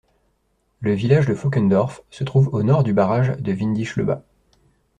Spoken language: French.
Le village de Fockendorf se trouve au nord du barrage de Windischleuba.